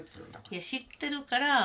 いや知ってるから。